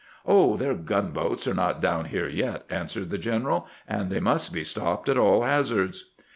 " Oh, their gunboats are not down here yet," answered the general; "and they must be stopped at all hazards."